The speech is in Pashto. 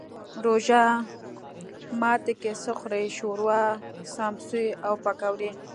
روژه ماتی کی څه خورئ؟ شوروا، سموسي او پکوړي